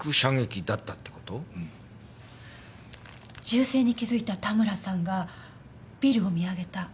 銃声に気づいた田村さんがビルを見上げた。